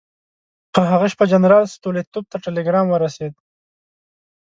په هغه شپه جنرال ستولیتوف ته ټلګرام ورسېد.